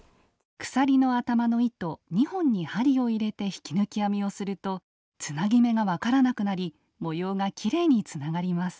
鎖の頭の糸２本に針を入れて引き抜き編みをするとつなぎ目が分からなくなり模様がきれいにつながります。